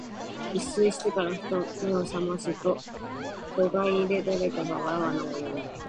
一睡してから、ふと眼めを覚ますと、戸外で誰かが我が名を呼んでいる。